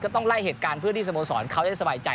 ใต้เหตุการณ์ผู้ถสมศรเขาจะสบายใจ